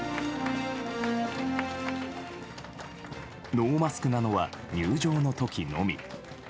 ノーマスクなのは入場の時のみ。